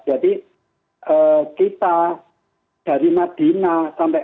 jadi kita dari madinah sampai